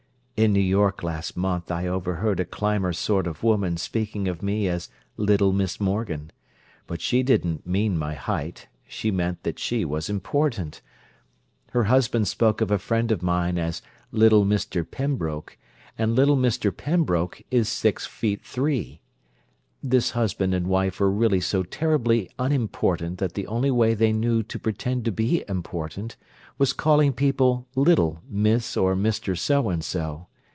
In New York last month I overheard a climber sort of woman speaking of me as 'little Miss Morgan,' but she didn't mean my height; she meant that she was important. Her husband spoke of a friend of mine as 'little Mr. Pembroke' and 'little Mr. Pembroke' is six feet three. This husband and wife were really so terribly unimportant that the only way they knew to pretend to be important was calling people 'little' Miss or Mister so and so.